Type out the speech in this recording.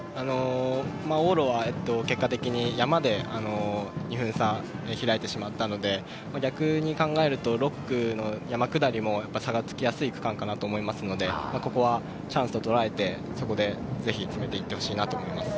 往路は結果的に山で２分差開いてしまったので、逆に考えると６区・山下りも差がつきやすい区間かなと思いますので、ここはチャンスととらえて、ぜひ詰めていってほしいなと思います。